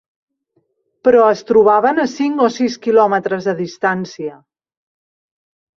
Però es trobaven a cinc o sis quilòmetres de distància